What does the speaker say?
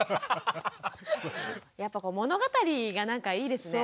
やっぱこう物語がなんかいいですね。